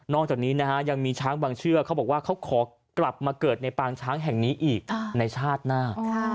จากนี้นะฮะยังมีช้างบางเชือกเขาบอกว่าเขาขอกลับมาเกิดในปางช้างแห่งนี้อีกในชาติหน้า